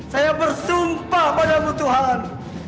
saya bersumpah padamu tuhan